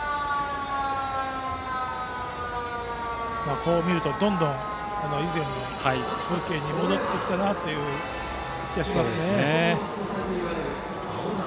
こう見るとどんどん以前の光景に戻ってきた気がします。